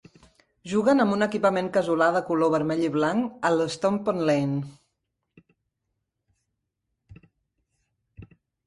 Juguen amb un equipament casolà de color vermell i blanc a l'Stompond Lane.